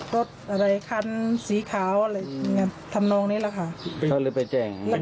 รถอะไรคันสีขาวอะไรอย่างนี้ทำนองนี้แหละค่ะ